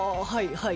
はい！